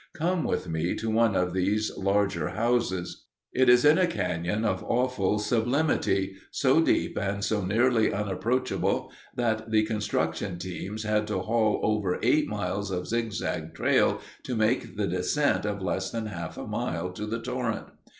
Come with me to one of these larger houses. It is in a cañon of awful sublimity, so deep and so nearly unapproachable that the construction teams had to haul over eight miles of zigzag trail to make the descent of less than half a mile to the torrent.